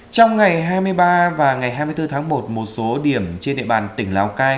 trong ngày hai mươi ba và ngày hai mươi bốn tháng một một số điểm trên địa bàn tỉnh lào cai